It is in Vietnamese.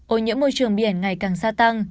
ôi nhỡ môi trường biển ngày càng xa tăng